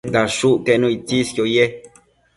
dashucquenu itsisquio ye